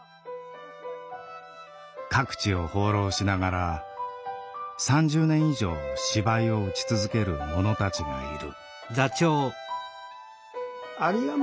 各地を放浪しながら３０年以上芝居を打ち続ける者たちがいる。